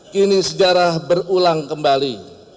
kini sejarah berulang kembali